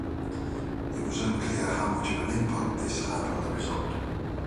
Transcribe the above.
It was unclear how much of an impact this had on the result.